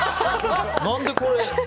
何でこれ。